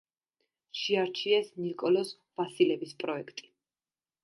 შეარჩიეს ნიკოლოზ ვასილევის პროექტი.